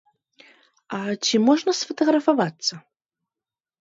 А ці можна сфатаграфавацца?